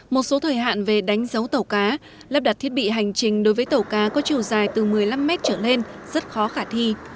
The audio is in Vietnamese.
một số thời hạn về đánh dấu tàu cá lắp đặt thiết bị hành trình đối với tàu cá có chiều dài từ một mươi năm mét trở lên rất khó khả thi